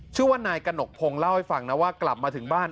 ชื่อว่านายกระหนกพงศ์เล่าให้ฟังนะว่ากลับมาถึงบ้าน